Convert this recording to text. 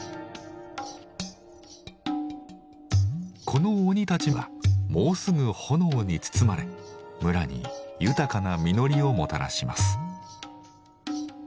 この鬼たちはもうすぐ炎に包まれ村に豊かな実りをもたらします。